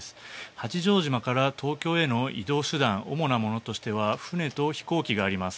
八丈島から東京への移動手段主なものとしては船と飛行機があります。